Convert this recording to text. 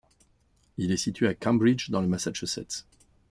Il est situé à Cambridge, dans le Massachusetts.